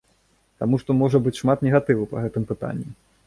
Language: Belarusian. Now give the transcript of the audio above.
Таму што можа быць шмат негатыву па гэтым пытанні.